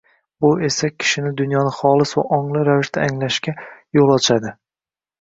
Bu esa kishini dunyoni xolis va ongli ravishda anglashga yo‘l ochadi.